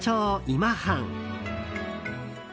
今半。